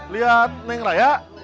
lihat ini raya